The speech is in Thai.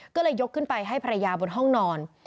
ก็เลยยกขึ้นไปให้ภรรยาบนห้องนอน